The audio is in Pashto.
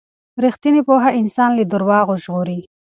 ریښتینې پوهه انسان له درواغو ژغوري.